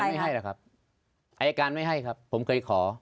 อ๋ออายการไม่ให้หรือครับอายการไม่ให้ครับผมเคยขอ